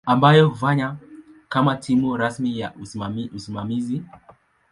ambayo hufanya kama timu rasmi ya usimamizi.